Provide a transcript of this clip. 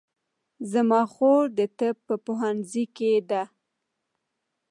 زما خور د طب په پوهنځي کې ده